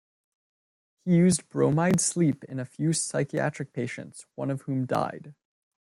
He used bromide sleep in a few psychiatric patients, one of whom died.